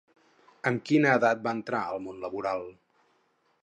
Amb quina edat va entrar al món laboral?